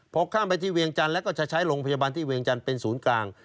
พอข้ามไปที่เวียงจันทร์แล้วก็จะใช้โรงพยาบาลที่เวียงจันทร์เป็นศูนย์กลาง